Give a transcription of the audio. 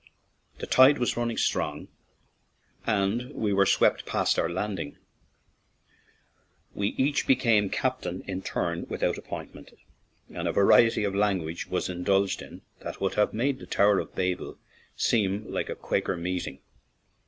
The tide was running strong, and when we were swept past our landing w T e each became captain in turn without appointment, and a variety of language was indulged in that would have made the Tower of Babel seem like a Quaker meeting.